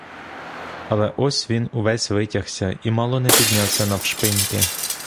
Але ось він увесь витягся і мало не піднявся навшпиньки.